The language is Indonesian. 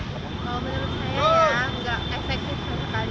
kalau menurut saya ya nggak efektif sekali